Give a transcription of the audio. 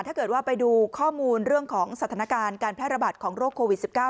ถ้าเกิดว่าไปดูข้อมูลเรื่องของสถานการณ์การแพร่ระบาดของโรคโควิด๑๙